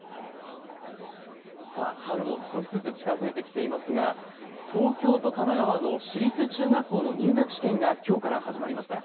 春も少しずつ近づいてきていますが東京と神奈川の私立中学校の入学試験がきょうから始まりました。